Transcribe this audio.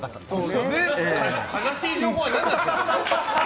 その悲しい情報は何なんですか。